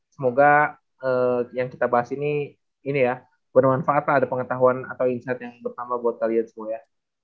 semoga yang kita bahas ini ini ya bermanfaat lah ada pengetahuan atau insightnya yang bisa kita kasih tau di fiba asia cups